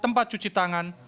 tempat cuci tangan